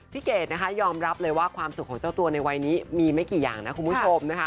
เกดนะคะยอมรับเลยว่าความสุขของเจ้าตัวในวัยนี้มีไม่กี่อย่างนะคุณผู้ชมนะคะ